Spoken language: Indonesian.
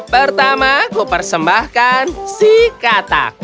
pertama kupersembahkan si katak